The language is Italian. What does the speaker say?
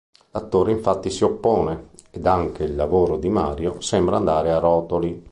L'attore infatti si oppone, ed anche il lavoro di Mario, sembra andare a rotoli.